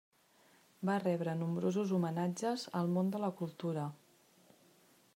Va rebre nombrosos homenatges al món de la cultura.